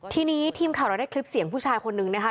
ทีนี้ทีมข่าวเราได้คลิปเสียงผู้ชายคนนึงนะคะ